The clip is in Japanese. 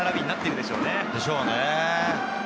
そうでしょうね。